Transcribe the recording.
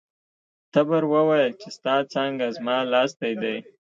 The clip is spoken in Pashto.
تبر وویل چې ستا څانګه زما لاستی دی.